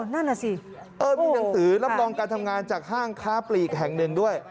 นั่นน่ะสิมีหนังสือรับรองการทำงานจากห้างค้าปลีกแห่งหนึ่งด้วย